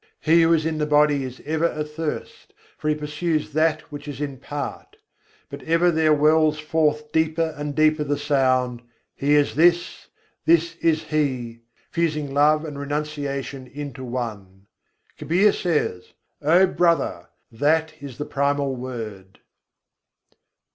He who is in the body is ever athirst, for he pursues that which is in part: But ever there wells forth deeper and deeper the sound "He is this this is He"; fusing love and renunciation into one. Kabîr says: "O brother! that is the Primal Word."